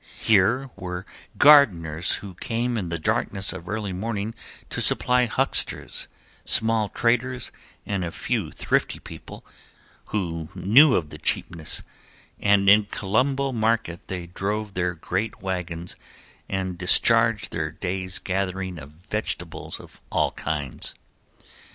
Here were gardeners who came in the darkness of early morning to supply hucksters, small traders and a few thrifty people who knew of the cheapness, and in Columbo market they drove their great wagons and discharged their day's gathering of vegetables of all kinds.